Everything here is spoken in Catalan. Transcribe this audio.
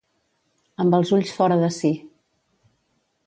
Amb els ulls fora de si.